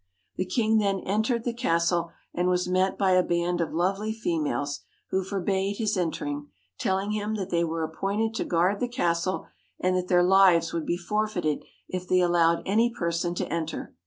The king then entered the castle, and was met by a band of lovely females, who forbade his entering, telling him that they were appointed to guard the castle, and that their lives would be forfeited if they allowed any person to enter.